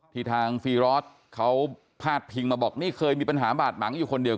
ทางฟีรอสเขาพาดพิงมาบอกนี่เคยมีปัญหาบาดหมางอยู่คนเดียว